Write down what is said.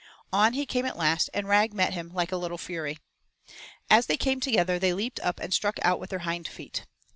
On he came at last and Rag met him like a little fury. As they came together they leaped up and struck out with their hind feet.